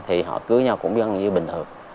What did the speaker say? thì họ cưới nhau cũng gần như bình thường